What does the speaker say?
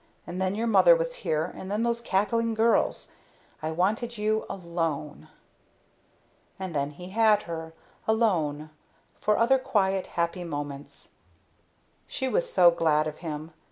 And then your mother was here, and then those cackling girls. I wanted you alone." And then he had her, alone, for other quiet, happy moments. She was so glad of him.